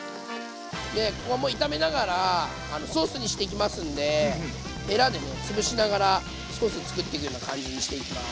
でここはもう炒めながらソースにしていきますんでへらでねつぶしながらソースつくっていくような感じにしていきます。